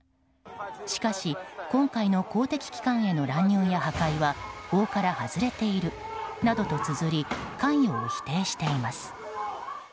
しかし今回の公的機関への乱入や破壊は法から外れているとなどとつづり関与を否定しています。